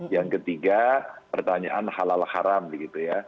yang ketiga pertanyaan halal haram begitu ya